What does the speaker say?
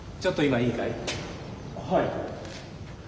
はい。